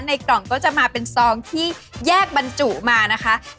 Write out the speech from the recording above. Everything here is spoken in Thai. ในกล่องก็จะมาเป็นซองที่แยกบรรจุมานะคะ